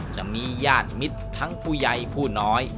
จะมีญาติมิตรทั้งผู้ใหญ่ผู้น้อย